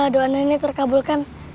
doa nenek terkabulkan